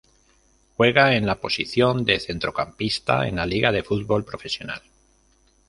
Juega en la posición de centrocampista, en la Liga de Fútbol Profesional.